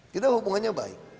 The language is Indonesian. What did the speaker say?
kita hubungannya baik